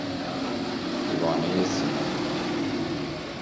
دیوانهی سینما